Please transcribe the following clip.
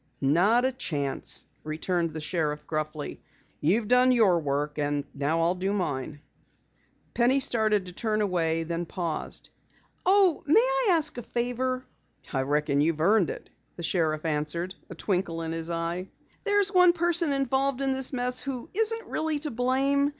"Not a chance," returned the sheriff gruffly. "You've done your work, and now I'll do mine." Penny started to turn away, then paused. "Oh, may I ask a favor?" "I reckon you've earned it," the sheriff answered, a twinkle in his eye. "There's one person involved in this mess who isn't really to blame.